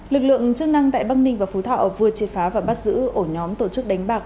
lực lượng chức năng tại bắc ninh và phú thọ vừa triệt phá và bắt giữ ổ nhóm tổ chức đánh bạc